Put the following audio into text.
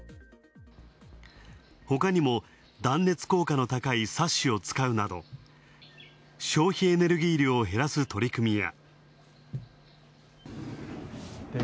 他にも断熱効果の高いサッシを使うなど、消費エネルギー量を減らす取り組みや。